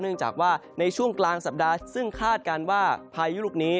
เนื่องจากว่าในช่วงกลางสัปดาห์ซึ่งคาดการณ์ว่าพายุลูกนี้